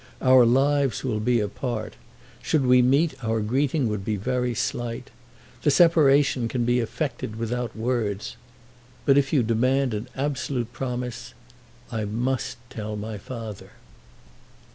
Our lives will be apart. Should we meet our greeting would be very slight. The separation can be effected without words. But if you demand an absolute promise, I must tell my father."